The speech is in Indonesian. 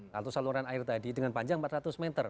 satu saluran air tadi dengan panjang empat ratus meter